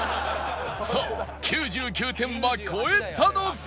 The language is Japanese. さあ９９点は超えたのか？